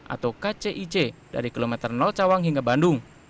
atau kcic dari kilometer cawang hingga bandung